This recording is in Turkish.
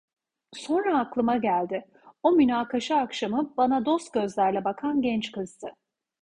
Sonra aklıma geldi: O münakaşa akşamı bana dost gözlerle bakan genç kızdı.